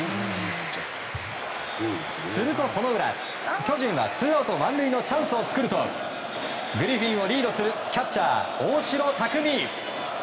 すると、その裏。巨人はツーアウト満塁のチャンスを作るとグリフィンをリードするキャッチャー、大城卓三。